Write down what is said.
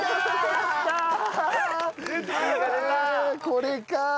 これか！